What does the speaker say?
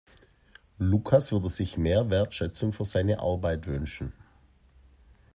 Lukas würde sich mehr Wertschätzung für seine Arbeit wünschen.